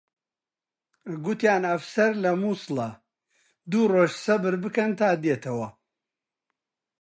گوتیان ئەفسەر لە مووسڵە، دوو ڕۆژ سەبر بکەن تا دێتەوە